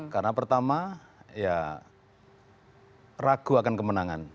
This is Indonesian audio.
karena pertama ya ragu akan kemenangan